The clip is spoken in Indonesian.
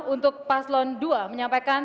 untuk paslon dua menyampaikan